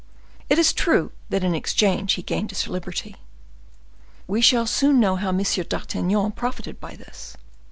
It is true, that in exchange he gained his liberty. We shall soon know how M. d'Artagnan profited by this.